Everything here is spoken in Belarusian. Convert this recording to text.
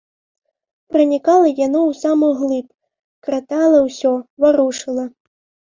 Пранікала яно ў самую глыб, кратала ўсё, варушыла.